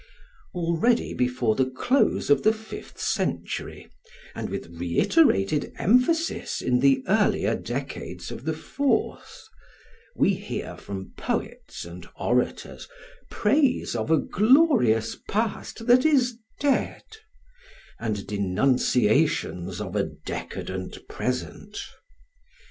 Already before the close of the fifth century, and with reiterated emphasis in the earlier decades of the fourth, we hear from poets and orators praise of a glorious past that is dead, and denunciations of a decadent present.